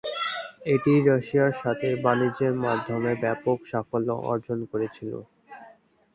এটি রাশিয়ার সাথে বাণিজ্যের মাধ্যমে ব্যাপক সাফল্য অর্জন করেছিল।